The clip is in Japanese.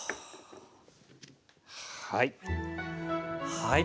はい。